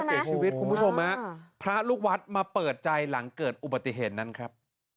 คุณผู้ชมฮะพระลูกวัดมาเปิดใจหลังเกิดอุบัติเหตุนั้นครับ